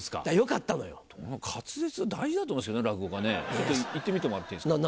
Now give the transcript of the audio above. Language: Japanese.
ちょっと言ってみてもらっていいですか。